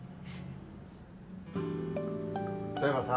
そういえばさ